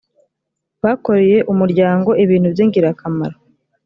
bakoreye umuryango ibintu by’ingirakamaro